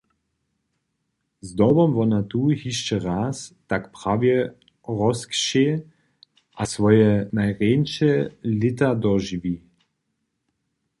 Zdobom wona tu hišće raz tak prawje rozkćě a swoje najrjeńše lěta dožiwi.